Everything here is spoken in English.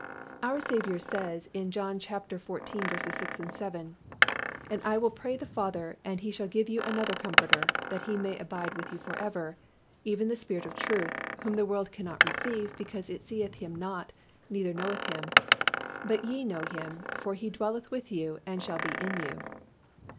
_ Our Saviour says in John xiv. 16, 17, "And I will pray the Father, and He shall give you another Comforter, that He may abide with you forever; Even the Spirit of truth: whom the world cannot receive, because it seeth Him not, neither knoweth Him: but ye know Him; for He dwelleth with you, and shall be in you."